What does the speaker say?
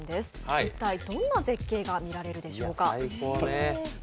一体どんな絶景が見られるでしょうか？